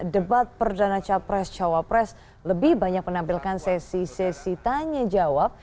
debat perdana capres cawapres lebih banyak menampilkan sesi sesi tanya jawab